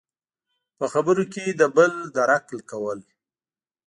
– په خبرو کې د بل درک کول.